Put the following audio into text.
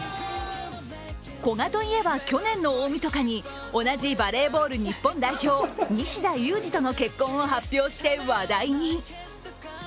古賀といえば去年の大みそかに同じバレーボール日本代表西田有志との結婚を発表して話題に。